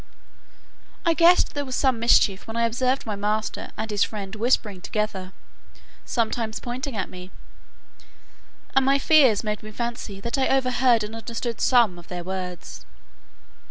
I guessed there was some mischief when I observed my master and his friend whispering together, sometimes pointing at me; and my fears made me fancy that I overheard and understood some of their words.